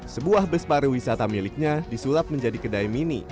sebuah bespare wisata miliknya disulap menjadi kedai mini